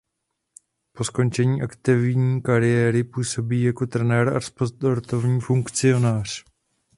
Po skončení aktivní kariéry působí jako trenér a sportovní funkcionář.